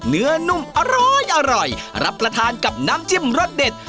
เนื้อนุ่มอร้อยอร่อยรับประทานกับน้ำจิ้มรสเด็ด